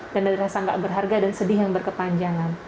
dan ada rasa nggak berharga dan sedih yang berkepanjangan